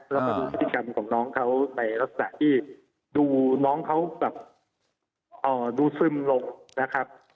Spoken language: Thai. แล้วก็ดูพฤติกรรมของน้องเขาในลักษณะที่ดูน้องเขาแบบดูซึมลงนะครับ